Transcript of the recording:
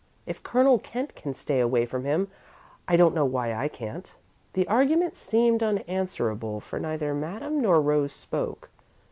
If Colonel Kent can stay away from him, I don't know why I can't." The argument seemed unanswerable, for neither Madame nor Rose spoke.